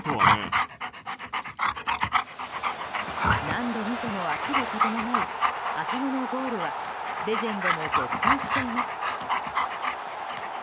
何度見ても飽きることのない浅野のゴールはレジェンドも絶賛しています。